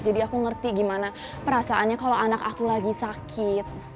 jadi aku ngerti gimana perasaannya kalau anak aku lagi sakit